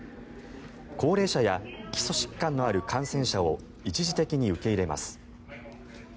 高齢者や基礎疾患のある感染者を一時的に受け入れます。